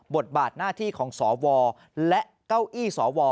บทบาทหน้าที่ของสวและเก้าอี้สว